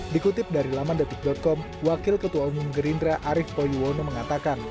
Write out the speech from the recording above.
dikutip dari laman detik com wakil ketua umum gerindra arief poyuwono mengatakan